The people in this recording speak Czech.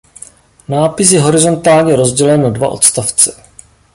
Nápis je horizontálně rozdělen na dva odstavce.